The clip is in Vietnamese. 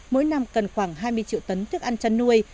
mỗi năm cần khoảng hai mươi triệu tấn thức ăn chăn nuôi